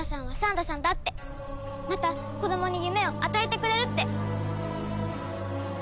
また子どもに夢を与えてくれるって。